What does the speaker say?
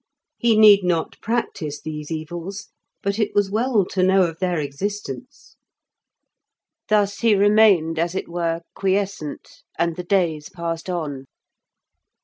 He need not practise these evils, but it was well to know of their existence. Thus he remained, as it were, quiescent, and the days passed on.